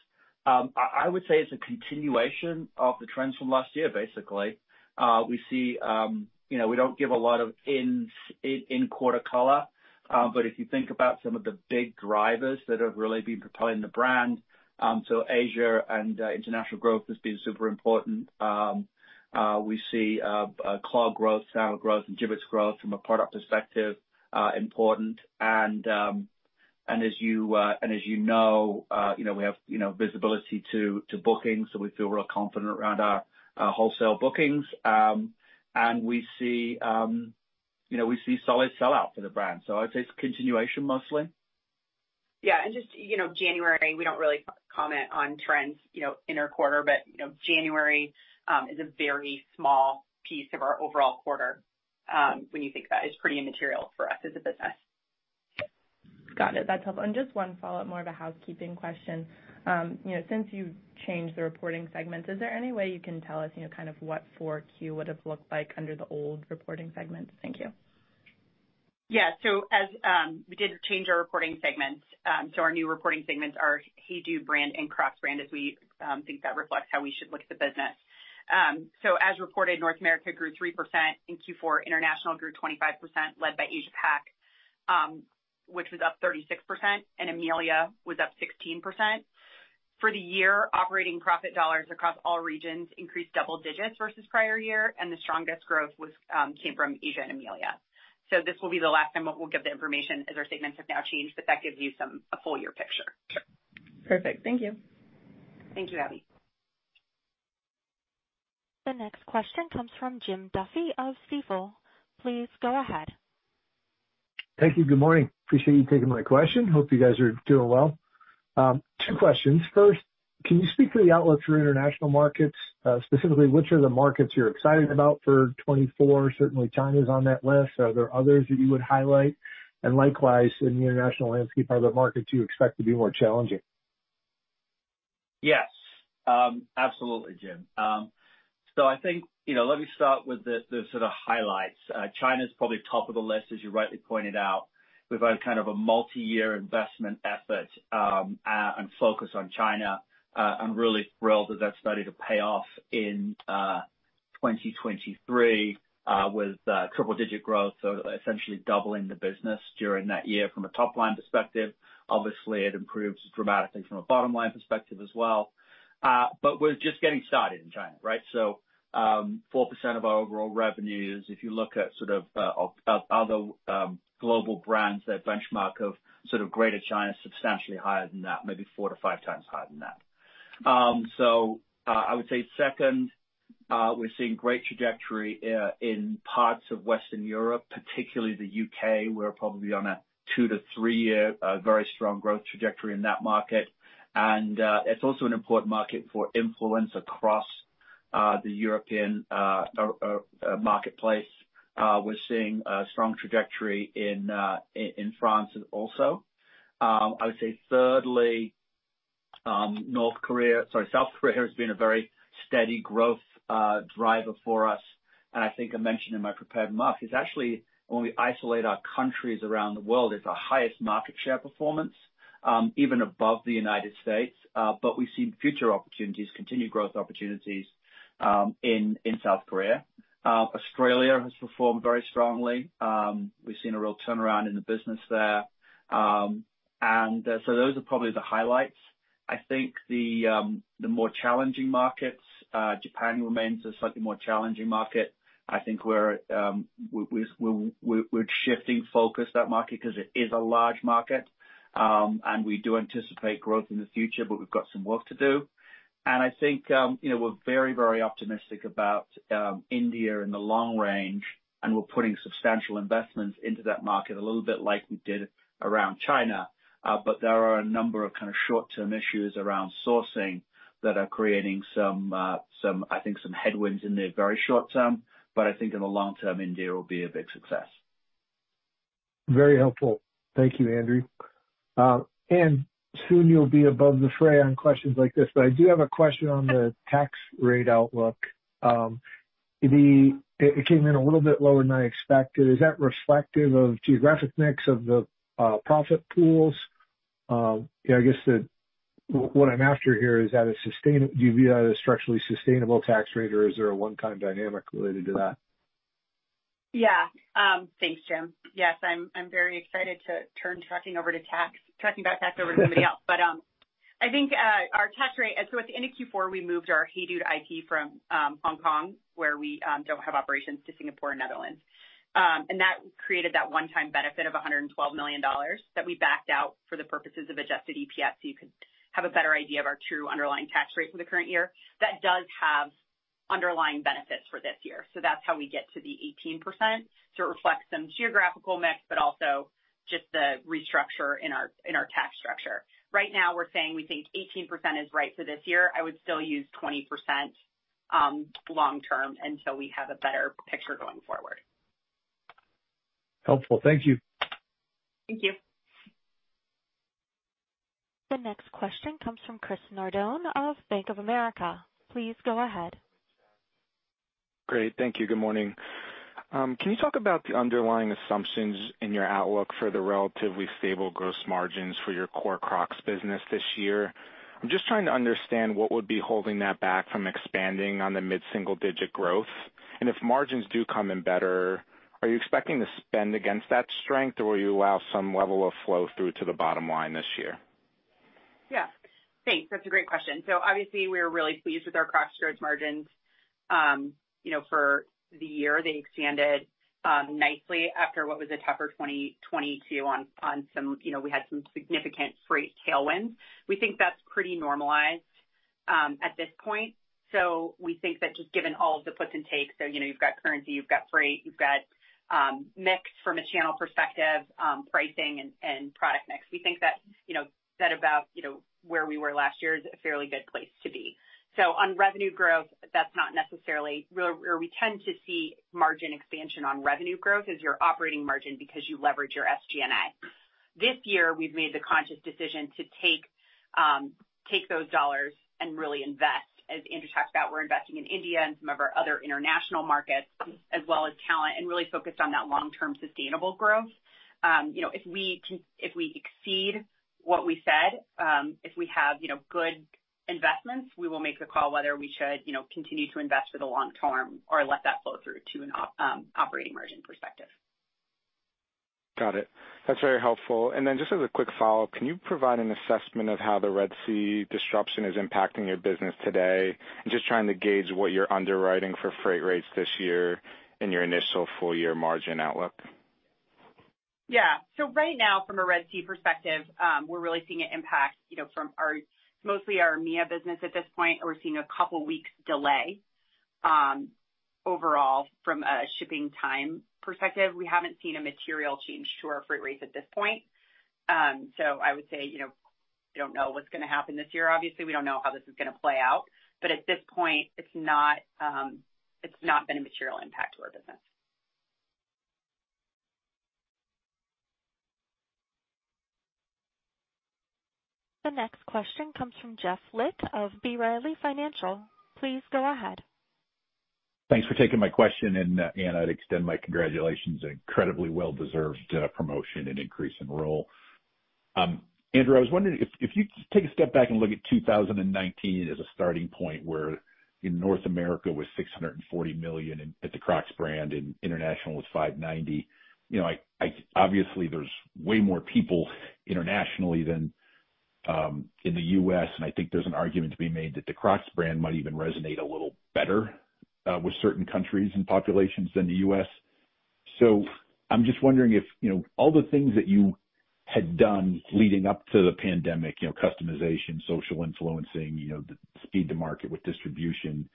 I would say it's a continuation of the trends from last year, basically. We see, you know, we don't give a lot of ins- in quarter color, but if you think about some of the big drivers that have really been propelling the brand, so Asia and international growth has been super important. We see clog growth, sandal growth, and Jibbitz growth from a product perspective, important. And as you know, you know, we have visibility to bookings, so we feel real confident around our wholesale bookings. We see, you know, we see solid sell-out for the brand. So I'd say it's a continuation mostly. Yeah, and just, you know, January, we don't really comment on trends, you know, in our quarter, but, you know, January, is a very small piece of our overall quarter. When you think about it, it's pretty immaterial for us as a business. Got it. That's helpful. And just one follow-up, more of a housekeeping question. You know, since you've changed the reporting segments, is there any way you can tell us, you know, kind of what 4Q would have looked like under the old reporting segments? Thank you. Yeah. So as we did change our reporting segments, so our new reporting segments are HEYDUDE brand and Crocs brand, as we think that reflects how we should look at the business. So as reported, North America grew 3% in Q4, international grew 25%, led by Asia Pac, which was up 36%, and EMEA was up 16%. For the year, operating profit dollars across all regions increased double digits versus prior year, and the strongest growth came from Asia and EMEA. So this will be the last time that we'll give the information, as our segments have now changed, but that gives you a full year picture. Perfect. Thank you. Thank you, Abbie. The next question comes from Jim Duffy of Stifel. Please go ahead. Thank you. Good morning. Appreciate you taking my question. Hope you guys are doing well. Two questions. First, can you speak to the outlook for international markets? Specifically, which are the markets you're excited about for 2024? Certainly, China is on that list. Are there others that you would highlight? And likewise, in the international landscape, are there markets you expect to be more challenging? Yes. Absolutely, Jim. So I think, you know, let me start with the sort of highlights. China's probably top of the list, as you rightly pointed out. We've had kind of a multi-year investment effort and focus on China, and really thrilled that that started to pay off in 2023, with triple-digit growth, so essentially doubling the business during that year from a top-line perspective. Obviously, it improved dramatically from a bottom-line perspective as well. But we're just getting started in China, right? So, 4% of our overall revenues, if you look at sort of other global brands, that benchmark of sort of Greater China, substantially higher than that, maybe four to five times higher than that. So, I would say second, we're seeing great trajectory in parts of Western Europe, particularly the UK. We're probably on a two to three year very strong growth trajectory in that market. And, it's also an important market for influence across the European marketplace. We're seeing a strong trajectory in in France also. I would say thirdly, North Korea - sorry, South Korea has been a very steady growth driver for us, and I think I mentioned in my prepared remarks, it's actually, when we isolate our countries around the world, it's our highest market share performance even above the United States. But we've seen future opportunities, continued growth opportunities in in South Korea. Australia has performed very strongly. We've seen a real turnaround in the business there. So those are probably the highlights. I think the more challenging markets, Japan remains a slightly more challenging market. I think we're shifting focus that market, because it is a large market, and we do anticipate growth in the future, but we've got some work to do. And I think, you know, we're very, very optimistic about India in the long range, and we're putting substantial investments into that market, a little bit like we did around China. But there are a number of kind of short-term issues around sourcing, that are creating some, I think, some headwinds in the very short term, but I think in the long term, India will be a big success. Very helpful. Thank you, Andrew. Anne, soon you'll be above the fray on questions like this, but I do have a question on the tax rate outlook. It came in a little bit lower than I expected. Is that reflective of geographic mix of the profit pools? You know, I guess what I'm after here, is that sustainable? Do you view that as a structurally sustainable tax rate, or is there a one-time dynamic related to that? Yeah. Thanks, Jim. Yes, I'm very excited to turn the tax over to somebody else. But, I think, our tax rate, and so at the end of Q4, we moved our HEYDUDE IP from Hong Kong, where we don't have operations, to Singapore and Netherlands. And that created that one-time benefit of $112 million that we backed out for the purposes of adjusted EPS, so you could have a better idea of our true underlying tax rate for the current year. That does have underlying benefits for this year, so that's how we get to the 18%. So it reflects some geographical mix, but also just the restructure in our tax structure. Right now, we're saying we think 18% is right for this year. I would still use 20%, long term, until we have a better picture going forward. Helpful. Thank you. Thank you. The next question comes from Chris Nardone of Bank of America. Please go ahead. Great, thank you. Good morning. Can you talk about the underlying assumptions in your outlook for the relatively stable gross margins for your core Crocs business this year? I'm just trying to understand what would be holding that back from expanding on the mid-single-digit growth, and if margins do come in better, are you expecting to spend against that strength, or will you allow some level of flow-through to the bottom line this year? Yeah. Thanks, that's a great question. So obviously, we are really pleased with our Crocs margins. You know, for the year, they expanded nicely after what was a tougher 2022 on some, you know, we had some significant freight tailwinds. We think that's pretty normalized at this point. So we think that just given all of the puts and takes, so, you know, you've got currency, you've got freight, you've got mix from a channel perspective, pricing and product mix. We think that, you know, that about, you know, where we were last year is a fairly good place to be. So on revenue growth, that's not necessarily or we tend to see margin expansion on revenue growth as your operating margin, because you leverage your SG&A. This year, we've made the conscious decision to take those dollars and really invest. As Andrew talked about, we're investing in India and some of our other international markets, as well as talent, and really focused on that long-term, sustainable growth. You know, if we can, if we exceed what we said, if we have, you know, good investments, we will make the call whether we should, you know, continue to invest for the long term or let that flow-through to an operating margin perspective. Got it. That's very helpful. And then just as a quick follow-up, can you provide an assessment of how the Red Sea disruption is impacting your business today? I'm just trying to gauge what you're underwriting for freight rates this year in your initial full-year margin outlook. Yeah. So right now, from a Red Sea perspective, we're really seeing an impact, you know, from our, mostly our EMEA business at this point. We're seeing a couple weeks delay, overall from a shipping time perspective. We haven't seen a material change to our freight rates at this point. So I would say, you know, we don't know what's gonna happen this year. Obviously, we don't know how this is gonna play out, but at this point, it's not, it's not been a material impact to our business. The next question comes from Jeff Lick of B. Riley Financial. Please go ahead. Thanks for taking my question. And, Anne, I'd extend my congratulations, an incredibly well-deserved promotion and increase in role. Andrew, I was wondering if you take a step back and look at 2019 as a starting point, where in North America, it was $640 million in at the Crocs brand, and international was $590 million. You know, I obviously, there's way more people internationally than in the U.S., and I think there's an argument to be made that the Crocs brand might even resonate a little better with certain countries and populations than the U.S.... So I'm just wondering if, you know, all the things that you had done leading up to the pandemic, you know, customization, social influencing, you know, the speed to market with distribution,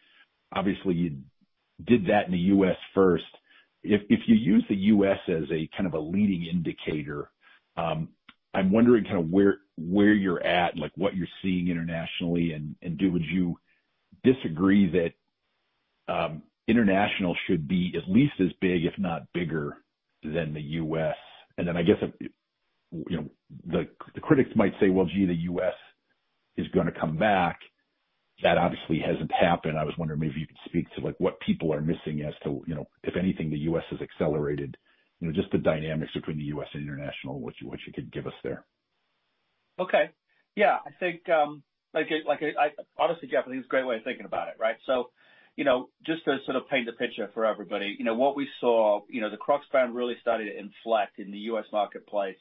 obviously, you did that in the U.S. first. If you use the U.S. as a kind of a leading indicator, I'm wondering kind of where you're at, like, what you're seeing internationally, and would you disagree that international should be at least as big, if not bigger than the U.S.? And then I guess, you know, the critics might say, "Well, gee, the U.S. is gonna come back." That obviously hasn't happened. I was wondering maybe if you could speak to, like, what people are missing as to, you know, if anything, the U.S. has accelerated, you know, just the dynamics between the U.S. and international, what you, what you could give us there. Okay. Yeah, I think, like I honestly, Jeff, I think it's a great way of thinking about it, right? So, you know, just to sort of paint the picture for everybody, you know, what we saw, you know, the Crocs brand really started to inflect in the U.S. marketplace,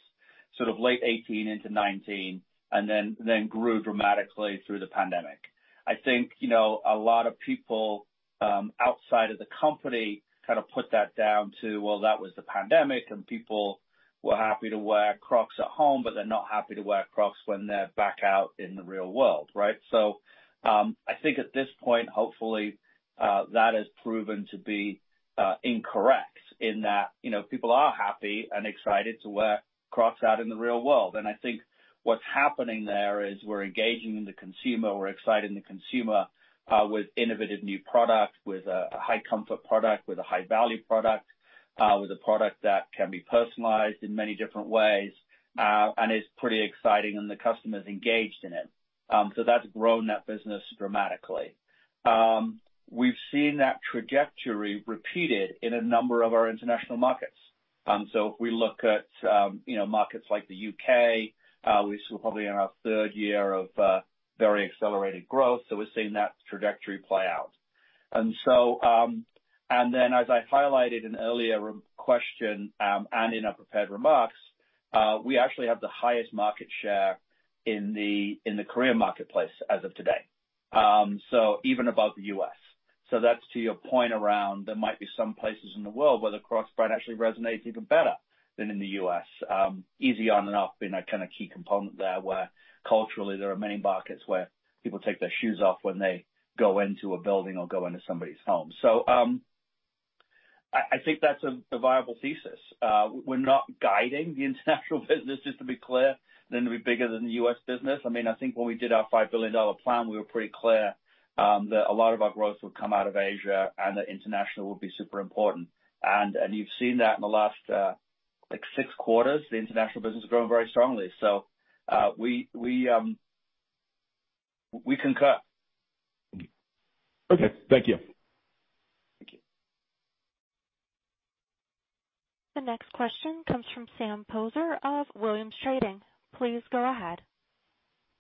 sort of late 2018 into 2019, and then grew dramatically through the pandemic. I think, you know, a lot of people outside of the company kind of put that down to, "Well, that was the pandemic, and people were happy to wear Crocs at home, but they're not happy to wear Crocs when they're back out in the real world," right? So, I think at this point, hopefully, that has proven to be incorrect in that, you know, people are happy and excited to wear Crocs out in the real world. I think what's happening there is we're engaging the consumer, we're exciting the consumer, with innovative new product, with a high comfort product, with a high value product, with a product that can be personalized in many different ways, and is pretty exciting and the customer's engaged in it. So that's grown that business dramatically. We've seen that trajectory repeated in a number of our international markets. So if we look at, you know, markets like the UK, we're still probably in our third year of very accelerated growth, so we're seeing that trajectory play out. And so... And then as I highlighted in an earlier question, and in our prepared remarks, we actually have the highest market share in the Korean marketplace as of today. So even above the U.S. So that's to your point around, there might be some places in the world where the Crocs brand actually resonates even better than in the U.S. Easy on and off, being a kind of key component there, where culturally there are many markets where people take their shoes off when they go into a building or go into somebody's home. So, I think that's a viable thesis. We're not guiding the international business, just to be clear, them to be bigger than the U.S. business. I mean, I think when we did our $5 billion plan, we were pretty clear, that a lot of our growth would come out of Asia and that international would be super important. And you've seen that in the last six quarters, the international business has grown very strongly. So, we concur. Okay. Thank you. Thank you. The next question comes from Sam Poser of Williams Trading. Please go ahead.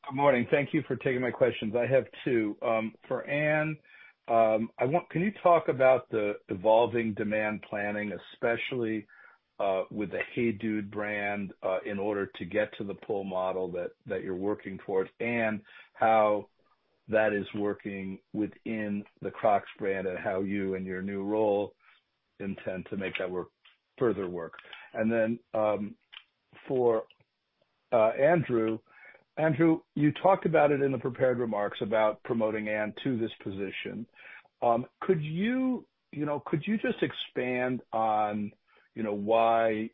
Good morning. Thank you for taking my questions. I have two. For Anne, can you talk about the evolving demand planning, especially, with the HEYDUDE brand, in order to get to the pull model that you're working towards, and how that is working within the Crocs brand, and how you and your new role intend to make that work, further work? And then, for Andrew: Andrew, you talked about it in the prepared remarks about promoting Anne to this position. Could you, you know, could you just expand on, you know, why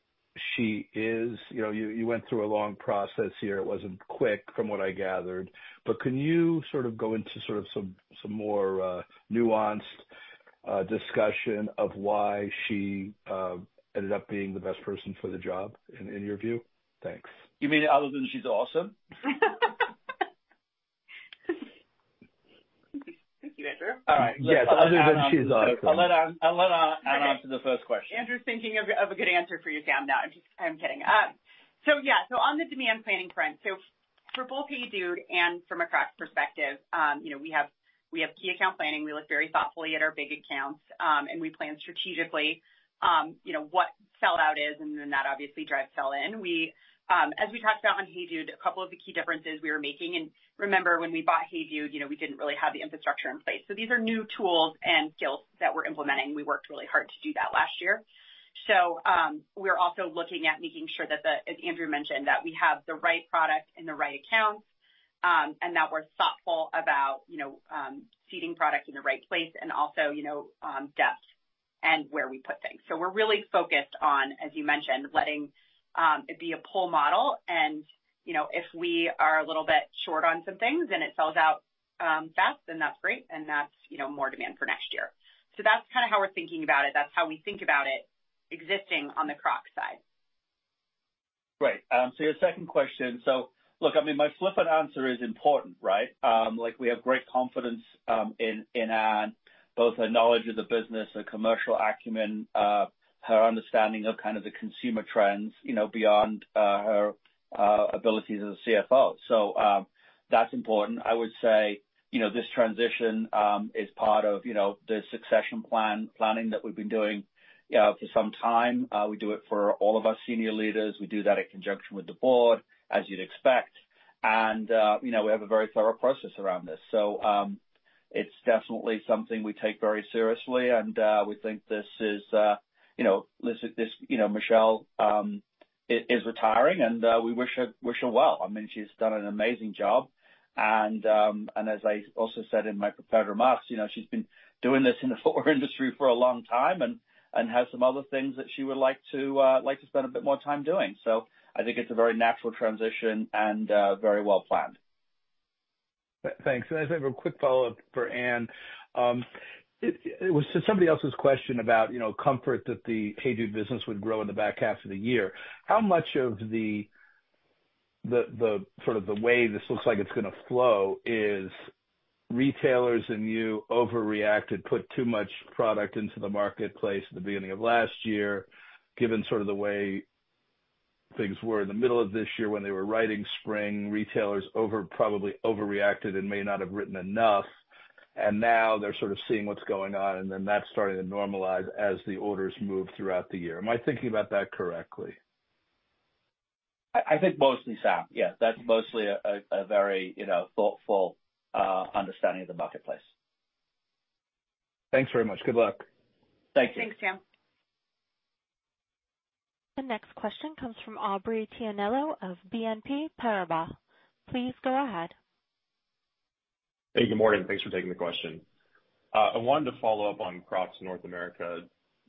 she is... You know, you, you went through a long process here? It wasn't quick, from what I gathered, but can you sort of go into sort of some more nuanced discussion of why she ended up being the best person for the job in your view? Thanks. You mean other than she's awesome? Thank you, Andrew. All right. Yes, other than she's awesome. I'll let Anne answer the first question. Andrew's thinking of a good answer for you, Sam. No, I'm just kidding. So yeah, on the demand planning front, for both HEYDUDE and from a Crocs perspective, you know, we have key account planning. We look very thoughtfully at our big accounts, and we plan strategically, you know, what sell-out is, and then that obviously drives sell-in. As we talked about on HEYDUDE, a couple of the key differences we were making, and remember when we bought HEYDUDE, you know, we didn't really have the infrastructure in place. So these are new tools and skills that we're implementing. We worked really hard to do that last year. So, we're also looking at making sure that, as Andrew mentioned, that we have the right product in the right accounts, and that we're thoughtful about, you know, seeding product in the right place and also, you know, depth and where we put things. So we're really focused on, as you mentioned, letting it be a pull model. And, you know, if we are a little bit short on some things and it sells out fast, then that's great, and that's, you know, more demand for next year. So that's kind of how we're thinking about it. That's how we think about it existing on the Crocs side. Great. So your second question, so look, I mean, my flippant answer is important, right? Like, we have great confidence in Anne, both her knowledge of the business, her commercial acumen, her understanding of kind of the consumer trends, you know, beyond her abilities as a CFO. So, that's important. I would say, you know, this transition is part of, you know, the succession planning that we've been doing for some time. We do it for all of our senior leaders. We do that in conjunction with the board, as you'd expect, and, you know, we have a very thorough process around this. So,... It's definitely something we take very seriously, and we think this is, you know, this, you know, Michelle is retiring, and we wish her well. I mean, she's done an amazing job, and as I also said in my prepared remarks, you know, she's been doing this in the footwear industry for a long time and has some other things that she would like to like to spend a bit more time doing. So I think it's a very natural transition and very well planned. Thanks. I just have a quick follow-up for Anne. It was somebody else's question about, you know, comfort that the HEYDUDE business would grow in the back half of the year. How much of the, the sort of the way this looks like it's gonna flow is retailers and you overreacted, put too much product into the marketplace at the beginning of last year, given sort of the way things were in the middle of this year when they were writing spring, retailers probably overreacted and may not have written enough, and now they're sort of seeing what's going on, and then that's starting to normalize as the orders move throughout the year. Am I thinking about that correctly? I think mostly, Sam, yes. That's mostly a very, you know, thoughtful understanding of the marketplace. Thanks very much. Good luck. Thank you. Thanks, Sam. The next question comes from Aubrey Tianello of BNP Paribas. Please go ahead. Hey, good morning. Thanks for taking the question. I wanted to follow up on Crocs North America.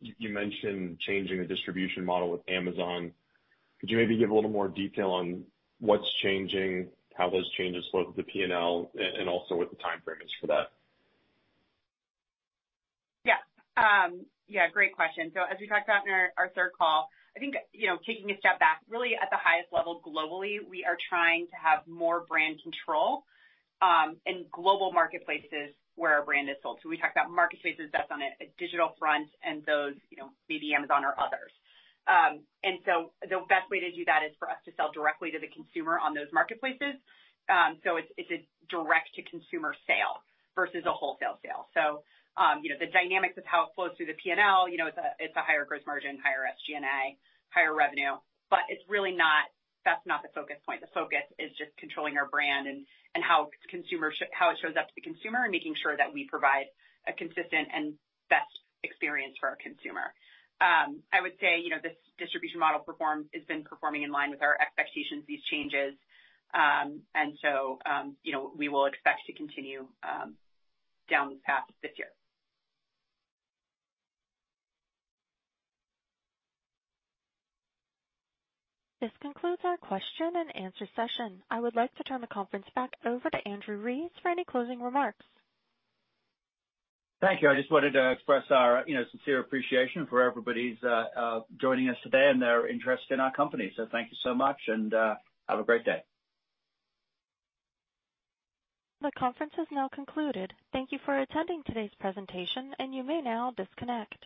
You, you mentioned changing the distribution model with Amazon. Could you maybe give a little more detail on what's changing, how those changes flow-through the P&L, and also what the timeframe is for that? Yeah. Yeah, great question. So as we talked about in our third call, I think, you know, taking a step back, really at the highest level, globally, we are trying to have more brand control in global marketplaces where our brand is sold. So we talked about marketplaces, that's on a digital front and those, you know, maybe Amazon or others. And so the best way to do that is for us to sell directly to the consumer on those marketplaces. So it's a direct-to-consumer sale versus a wholesale sale. So, you know, the dynamics of how it flows through the P&L, you know, it's a higher gross margin, higher SG&A, higher revenue, but it's really not, that's not the focus point. The focus is just controlling our brand and, and how consumers how it shows up to the consumer, and making sure that we provide a consistent and best experience for our consumer. I would say, you know, this distribution model has been performing in line with our expectations, these changes. And so, you know, we will expect to continue down this path this year. This concludes our question and answer session. I would like to turn the conference back over to Andrew Rees for any closing remarks. Thank you. I just wanted to express our, you know, sincere appreciation for everybody's joining us today and their interest in our company. So thank you so much, and have a great day. The conference has now concluded. Thank you for attending today's presentation, and you may now disconnect.